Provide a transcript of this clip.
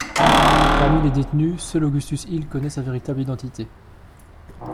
Parmi les détenus, seul Augustus Hill connaît sa véritable identité.